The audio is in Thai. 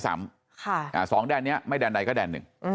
ซ้ำ๒แดนนี้ไม่แดนใดก็แดน๑